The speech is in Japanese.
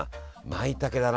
まいたけだな。